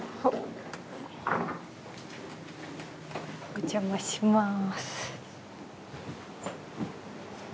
お邪魔します。